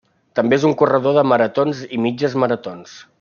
També és un corredor de maratons i mitges maratons.